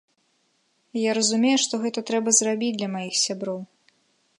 І я разумею, што гэта трэба зрабіць для маіх сяброў.